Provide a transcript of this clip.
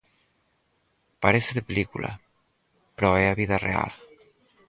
Parece de película pero é a vida real.